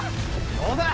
どうだ？